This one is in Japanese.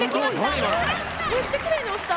めっちゃきれいに押した。